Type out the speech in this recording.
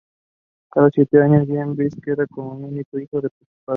Con siete años Jean-Baptiste queda como el único hijo de sus padres.